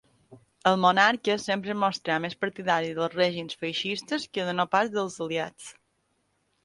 El monarca sempre es mostrà més partidari dels règims feixistes que no pas dels Aliats.